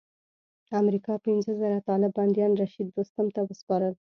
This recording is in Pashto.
امریکا پنځه زره طالب بندیان رشید دوستم ته وسپارل.